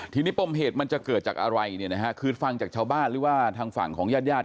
ทีนี้ปมเหตุมันจะเกิดจากอะไรเนี่ยนะฮะคือฟังจากชาวบ้านหรือว่าทางฝั่งของญาติญาติ